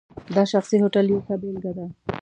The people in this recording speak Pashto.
دا شخصي هوټل یې ښه بېلګه ده.